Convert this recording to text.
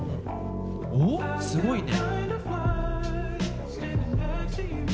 おっすごいね。